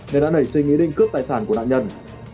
nên đã nảy sinh ý định cướp tài sản của nạn nhân